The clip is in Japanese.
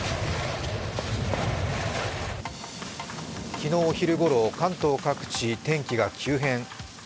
昨日昼ごろ、関東各地天気が急変。